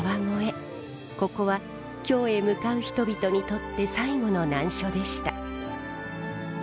ここは京へ向かう人々にとって最後の難所でした。